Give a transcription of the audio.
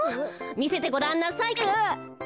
みせてごらんなさい。